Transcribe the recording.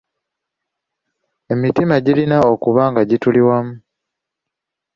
Emitima girina okuba nga gituli wamu.